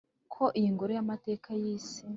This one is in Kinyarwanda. ko iyi ngoro y’ amateka y’ isi